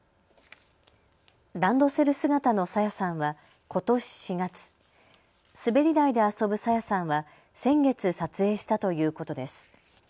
ランドセル姿の朝芽さんはことし４月、滑り台で遊ぶ朝芽さんは先月撮影したということです。